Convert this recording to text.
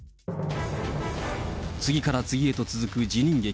次から次へと続く辞任劇。